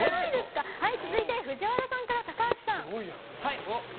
続いては藤原さんから高橋さん。